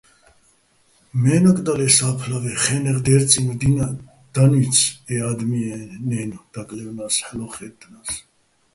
მე́ნაკ დალ ე სა́ფლვე, ხე́ნეღ დერწინო̆ დინაჸ დანუჲცი̆ ე ა́დმიეჼ-ნაჲნო̆ დაკლავინე́ს, ჰ̦ალო́ ხაჲტტნა́ს.